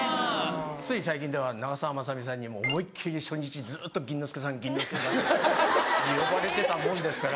つい最近では長澤まさみさんに思いっ切り初日ずっと「ぎんのすけさんぎんのすけさん」って呼ばれてたもんですから。